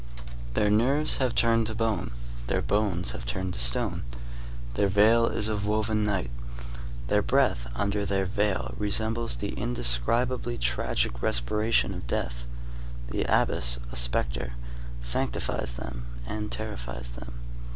Their nerves have turned to bone; their bones have turned to stone. Their veil is of woven night. Their breath under their veil resembles the indescribably tragic respiration of death. The abbess, a spectre, sanctifies them and terrifies them.